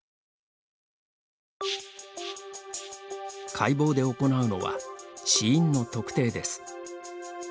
解剖で行うのは死因の特定です。